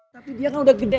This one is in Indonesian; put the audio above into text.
tapi dia kan udah gede